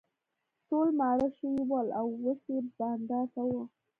ټول ماړه شوي ول او اوس یې بانډار کاوه.